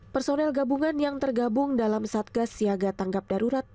personel gabungan yang tergabung dalam satgas siaga tanggap darurat